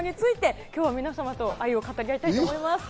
今日は皆さんと愛を語りたいと思います。